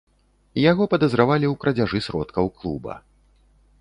Яго падазравалі ў крадзяжы сродкаў клуба.